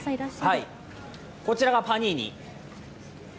こちらがパニーニ。